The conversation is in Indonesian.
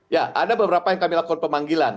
ya ada beberapa yang kami lakukan pemanggilan